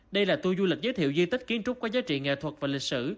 đây là tour du lịch giới thiệu di tích kiến trúc có giá trị nghệ thuật và lịch sử